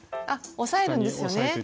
あ押さえるんですよね。